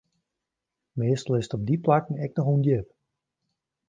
Meastal is it op dy plakken ek noch ûndjip.